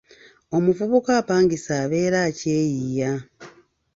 Omuvubuka apangisa abeera akyeyiiya.